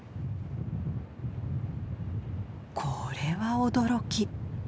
これは驚き！